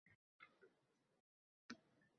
Feruza gul yo‘talib qo‘ydi.